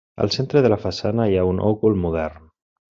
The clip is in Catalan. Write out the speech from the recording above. Al centre de la façana hi ha un òcul modern.